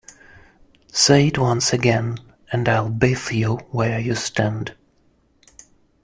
Say it once again, and I'll biff you where you stand.